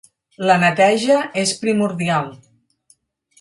La neteja és primordial.